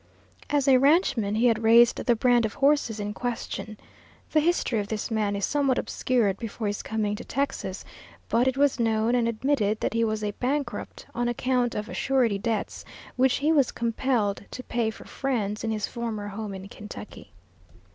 As a ranchman he had raised the brand of horses in question. The history of this man is somewhat obscured before his coming to Texas. But it was known and admitted that he was a bankrupt, on account of surety debts which he was compelled to pay for friends in his former home in Kentucky.